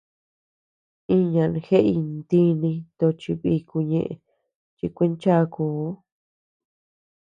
Iñan jeʼey ntíni tochi bíku ñeʼe chikuinchákuu.